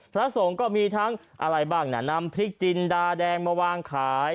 พระสงฆ์ก็มีทั้งอะไรบ้างน่ะนำพริกจินดาแดงมาวางขาย